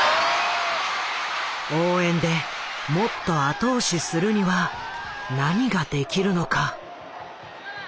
応援でもっと後押しするには何ができるのか。